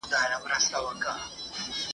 راته راوړی لیک مي رویبار دی !.